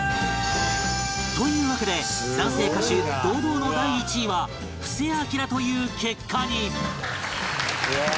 というわけで男性歌手堂々の第１位は布施明という結果に